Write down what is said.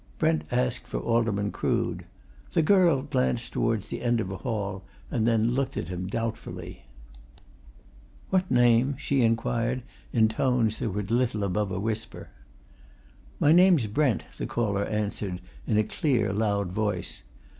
Brent asked for Alderman Crood. The girl glanced towards the end of the hall and then looked at him doubtfully. "What name?" she inquired in tones that were little above a whisper. "My name's Brent," the caller answered, in a clear, loud voice.